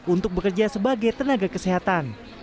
untuk bekerja sebagai tenaga kesehatan